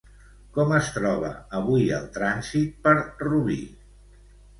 Com es troba avui el trànsit per Rubí?